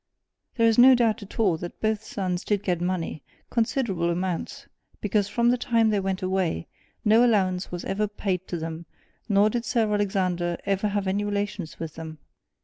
There is no doubt at all that both sons did get money considerable amounts, because from the time they went away, no allowance was ever paid to them, nor did Sir Alexander ever have any relations with them.